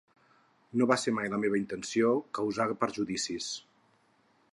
No va ser mai la meva intenció causar perjudicis.